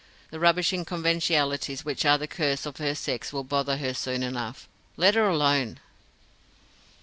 The rubbishing conventionalities which are the curse of her sex will bother her soon enough. Let her alone!"